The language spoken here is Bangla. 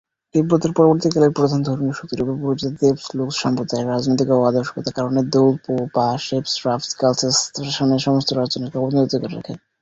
তিব্বতের পরবর্তীকালের প্রধান ধর্মীয় শক্তি রূপে পরিচিত দ্গে-লুগ্স ধর্মসম্প্রদায় রাজনৈতিক ও আদর্শগত কারণে দোল-পো-পা-শেস-রাব-র্গ্যাল-ম্ত্শানের সমস্ত রচনাকে অবদমিত করে রাখে।